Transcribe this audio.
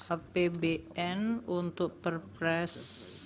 apbn untuk perpres tujuh puluh enam dua ribu dua puluh tiga